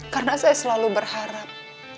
karena saya selalu berharap